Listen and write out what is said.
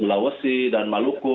sulawesi dan maluku